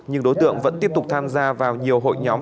nhưng đối tượng vẫn tiếp tục tham gia vào nhiều hội nhóm